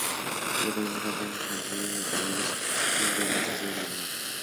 Lo que nunca faltan son meriendas entre amigos y un buen vaso de limonada.